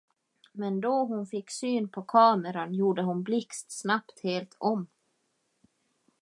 Men då hon fick syn på kameran, gjorde hon blixtsnabbt helt om.